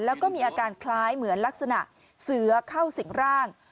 แล้วก็มีอาการคล้ายเหมือนลักษณะเสือเข้าสิ่งร่าง